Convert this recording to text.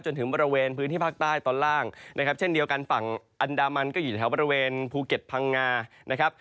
จนถึงบริเวณพื้นที่ภาคใต้ตอนล่างนะครับเช่นเดียวกันฝั่งอันดามันก็อยู่แถวบริเวณภูเก็ตพังงานะครับ